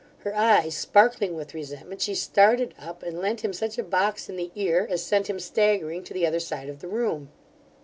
Her eyes sparkling with resentment, she started up, and lent him such a box in the ear, as sent him staggering to the other side of the room.